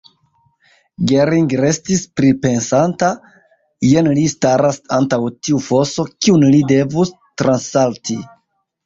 Gering restis pripensanta: jen li staras antaŭ tiu foso, kiun li devus transsalti!